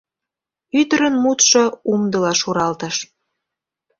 Ӱдырын мутшо умдыла шуралтыш.